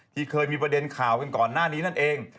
ที่เคยมีประเด็นข่าวกันก่อนหน้านี้นั่นเอง